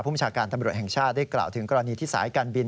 ประชาการตำรวจแห่งชาติได้กล่าวถึงกรณีที่สายการบิน